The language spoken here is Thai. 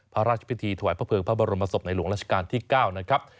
พระราชพิธีถวายพระเภิงพระบรมศพในหลวงราชการที่๙นะครับ